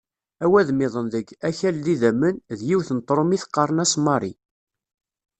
Awadem-iḍen deg "Akal d idammen", d yiwet n tṛumit qqaren-as Marie.